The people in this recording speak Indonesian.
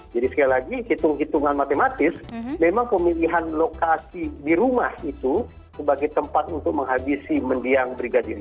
jadi sekali lagi hitungan matematis memang pemilihan lokasi di rumah itu sebagai tempat untuk menghabisi mendiang brigadir y